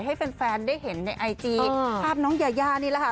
ให้แฟนได้เห็นในไอจีภาพน้องยายานี่แหละค่ะ